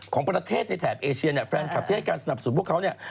ของประเทศในแถบเอเชียเนี่ยแฟนคลับที่ให้การสนับสนุนพวกเขาเนี่ย